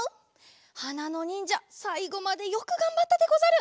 はなのにんじゃさいごまでよくがんばったでござる。